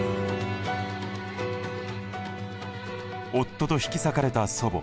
夫と引き裂かれた祖母。